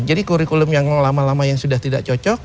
jadi kurikulum yang lama lama sudah tidak cocok